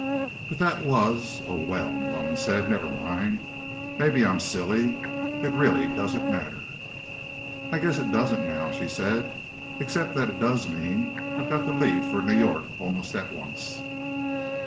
"But that was—oh, well," Malone said. "Never mind. Maybe I'm silly. It really doesn't matter." "I guess it doesn't, now," she said. "Except that it does mean I've got to leave for New York almost at once."